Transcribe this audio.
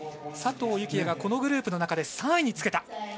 佐藤幸椰が、このグループの中で３位につけた。